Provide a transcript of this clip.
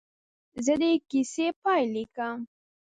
زه د کیسې پاې لیکم.